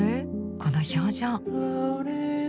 この表情。